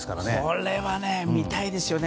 これは見たいですよね。